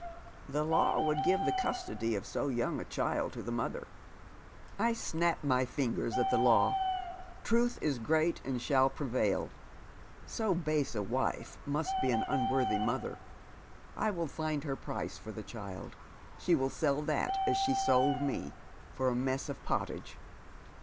" The law wo ild give the custody «£ ?ic young a child to the mother." " I ^!nap my fingers at the law. Trr vh is great and shall prevail. So base a wife must be an unworthy mother. I will find her price for the child. She will sell that as slie sold me — for a mess of pottage.